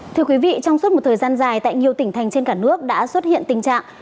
thưa quý vị trong suốt một thời gian dài tại nhiều tỉnh thành trên cả nước đã xuất hiện tình trạng